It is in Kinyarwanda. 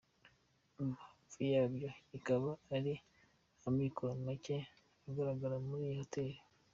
Impamvu yabyo ikaba ari amikoro make agaragara muri iyi Hoteli.